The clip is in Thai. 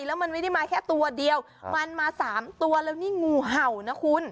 แล้วมันไม่ได้มาแค่ตัวเดียวมันมา๓ตัวแล้วนี่งูเห่านะคุณ